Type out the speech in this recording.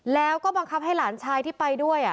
แล้วก็บังคับให้หลานชายที่ไปด้วย